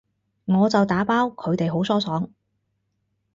我就打包，佢哋好疏爽